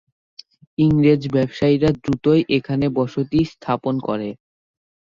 ইংরেজ ব্যবসায়ীরা দ্রুতই এখানে বসতি স্থাপন করে।